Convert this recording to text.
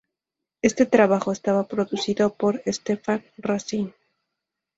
Este trabajo estaba producido por Stepan Razin.